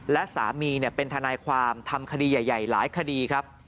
และสามีเป็นทนายความทำคดีใหญ่หลายคดีครับ